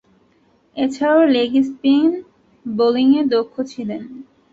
এছাড়াও, leg spin বোলিংয়ে দক্ষ ছিলেন।